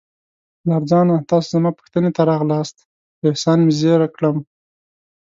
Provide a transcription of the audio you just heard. پلار جانه، تاسو زما پوښتنې ته راغلاست، په احسان مې زیر کړم.